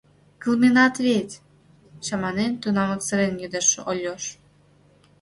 — Кылменат вет? — чаманен, тунамак сырен йодеш Ольош.